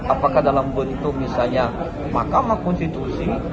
apakah dalam bentuk misalnya mahkamah konstitusi